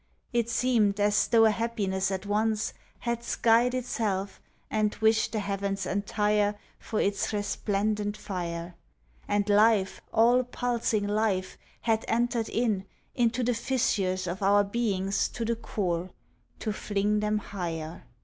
It seemed as though a happiness at once Had skied itself and wished the heavens entire For its resplendent fire; And life, all pulsing life, had entered in, Into the fissures of our beings to the core, To fling them higher.